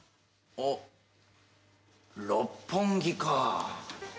おっ六本木か。